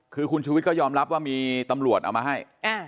คือคุณชุวิตก็ยอมรับว่ามีตำรวจเอามาให้